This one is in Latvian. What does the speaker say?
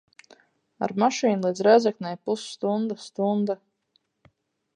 Ar mašīnu līdz Rēzeknei pusstunda, stunda.